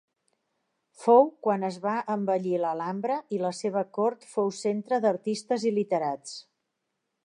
Fou quan es va embellir l'Alhambra i la seva cort fou centre d'artistes i literats.